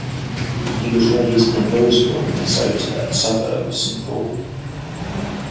He was raised in Roseville, Minnesota, a suburb of Saint Paul.